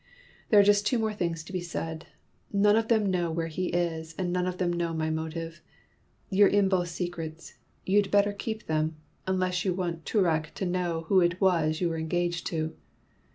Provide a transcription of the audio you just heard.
"There are just two more things to be said. None of them know where he is, and none of them know my motive. You're in both secrets. You'd better keep them unless you want Toorak to know who it was you were engaged to."